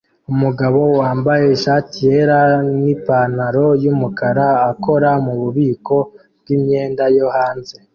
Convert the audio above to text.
Umugabo wambaye ishati yera nipantaro yumukara akora mububiko bwimyenda yo hanze